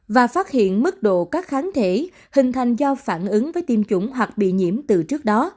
và phát hiện mức độ các kháng thể hình thành do phản ứng với tiêm chủng hoặc bị nhiễm từ trước đó